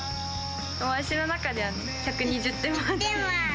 私の中では１２０点満点。